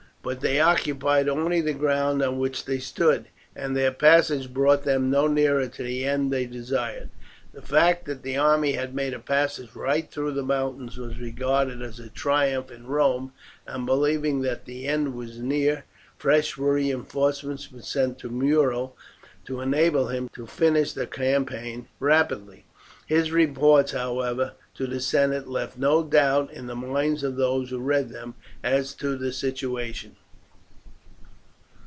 But they occupied only the ground on which they stood, and their passage brought them no nearer to the end they desired. The fact that the army had made a passage right through the mountains was regarded as a triumph in Rome, and believing that the end was near fresh reinforcements were sent to Muro to enable him to finish the campaign rapidly. His reports, however, to the senate left no doubt in the minds of those who read them as to the situation.